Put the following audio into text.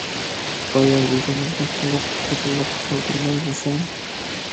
بايا يۈزۈڭنى قىلىپ خىجىللىققا قالدۇرماي دېسەم.